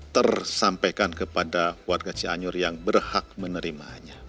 tersampaikan kepada warga cianjur yang berhak menerimanya